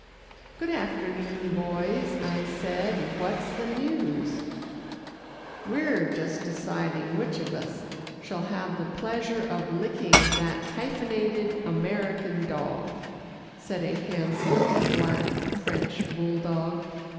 "Good afternoon, boys," I said, "what's the news?" "We're just deciding which of us shall have the pleasure of licking that hyphenated American dog," said a handsome, black French bulldog.